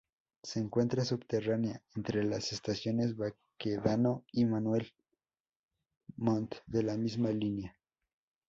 Se encuentra subterránea, entre las estaciones Baquedano y Manuel Montt de la misma línea.